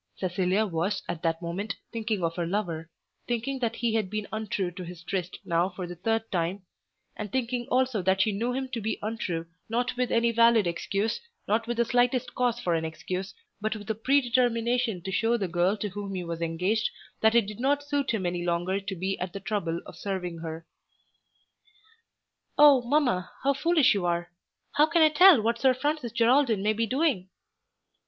Cecilia was at that moment thinking of her lover, thinking that he had been untrue to his tryst now for the third time; and thinking also that she knew him to be untrue not with any valid excuse, not with the slightest cause for an excuse, but with a pre determination to show the girl to whom he was engaged that it did not suit him any longer to be at the trouble of serving her. "Oh, mamma, how foolish you are! How can I tell what Sir Francis Geraldine may be doing?"